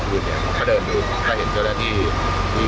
เพราะว่าเมืองนี้จะเป็นที่สุดท้าย